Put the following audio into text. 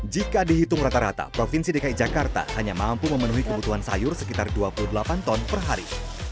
jika dihitung rata rata provinsi dki jakarta hanya mampu memenuhi kebutuhan sayur sekitar dua puluh delapan ton per hari